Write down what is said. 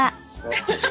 アハハハ！